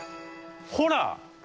ほら！